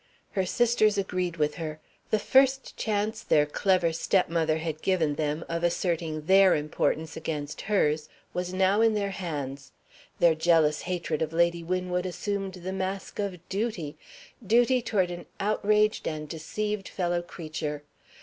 Her sisters agreed with her. The first chance their clever stepmother had given them of asserting their importance against hers was now in their hands. Their jealous hatred of Lady Winwood assumed the mask of Duty duty toward an outraged and deceived fellow creature.